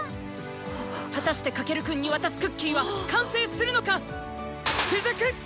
果たして翔くんに渡すクッキーは完成するのか⁉続く！」。